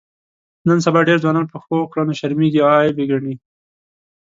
نن سبا ډېر ځوانان په ښو کړنو شرمېږي او عیب یې ګڼي.